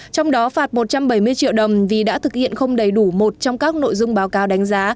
trong đó phạt một trăm bảy mươi triệu đồng vì đã thực hiện không đầy đủ một trong các nội dung báo cáo đánh giá